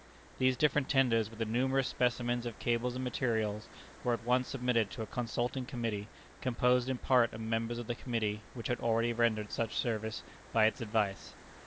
These different tenders, with the numerous specimens of cable and materials, were at once submitted to a Consulting Committee composed in part of members of the Committee which had already rendered such service by its advice.